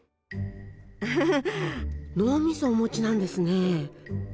フフ脳みそお持ちなんですね。